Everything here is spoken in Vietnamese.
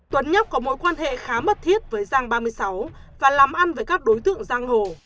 tuấn nhất có mối quan hệ khá mật thiết với giang ba mươi sáu và làm ăn với các đối tượng giang hồ